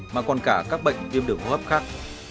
mà còn cả các bệnh viêm đường hô hấp khác